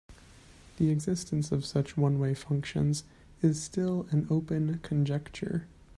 The existence of such one-way functions is still an open conjecture.